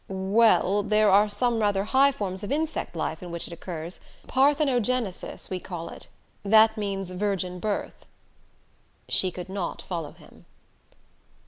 "Well there are some rather high forms of insect life in which it occurs. Parthenogenesis, we call it that means virgin birth." She could not follow him.